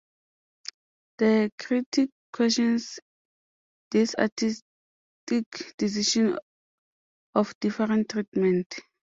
The critic questions this artistic decision of different treatment.